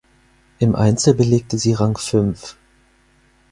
Im Einzel belegte sie Rang fünf.